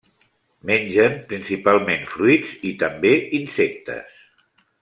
Mengen principalment fruits i també insectes.